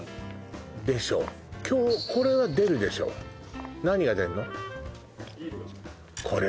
今日これは出るでしょ何が出るの？